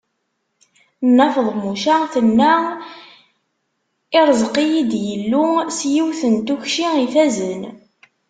Nna Feḍmuca tenna: Ireẓq-iyi-d Yillu s yiwet n tukci ifazen.